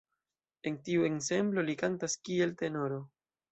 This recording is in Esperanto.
En tiu ensemblo li kantas kiel tenoro.